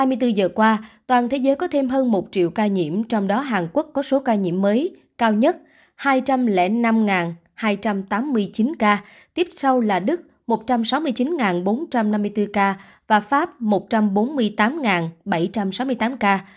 mỹ có thêm hơn một triệu ca nhiễm trong đó hàn quốc có số ca nhiễm mới cao nhất hai trăm linh năm hai trăm tám mươi chín ca tiếp sau là đức một trăm sáu mươi chín bốn trăm năm mươi bốn ca và pháp một trăm bốn mươi tám bảy trăm sáu mươi tám ca